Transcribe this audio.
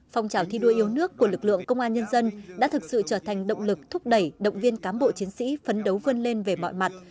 phong trào thi đua yêu nước của lực lượng công an nhân dân đã thực sự trở thành động lực thúc đẩy động viên cán bộ chiến sĩ phấn đấu vươn lên về mọi mặt